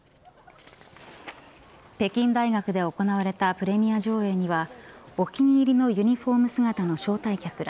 北京大学で行われたプレミア上映にはお気に入りのユニホーム姿の招待客ら